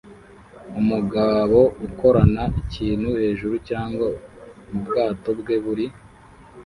Umugabo ukorana ikintu hejuru cyangwa mubwato bwe buri